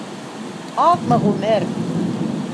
Аҙмы ғүмер...